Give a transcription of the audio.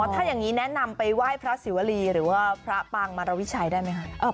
ถ้าอย่างนี้แนะนำไปไหว้พระศิวรีหรือว่าพระปางมารวิชัยได้ไหมคะ